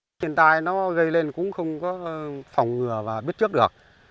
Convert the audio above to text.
cái gìidet nó gây lên cũng không có phòng ngừa và biết trước được